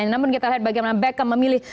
namun kita lihat bagaimana beckham memilih